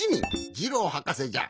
ジローはかせじゃ。